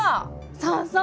そうそう。